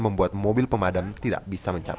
membuat mobil pemadam tidak bisa mencapai